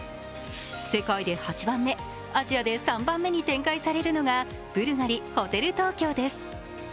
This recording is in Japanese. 世界で８番目、アジアで３番目に展開されるのがブルガリホテル東京です。